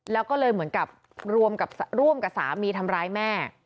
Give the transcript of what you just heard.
แล้วก็เลยเหมือนกับร่วมกับสามีทำร้ายแม่